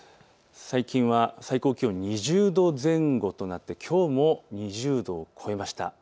最近は最高気温２０度前後となってきょうも２０度を超えました。